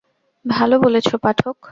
ভালো বলেছ পাঠক।